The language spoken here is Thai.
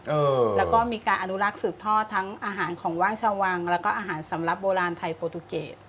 เออแล้วก็มีการอนุรักษ์สืบทอดทั้งอาหารของว่างชาววังแล้วก็อาหารสำหรับโบราณไทยโปรตูเกต